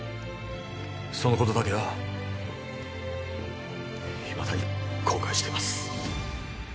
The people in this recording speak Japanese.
そのことだけはいまだに後悔しています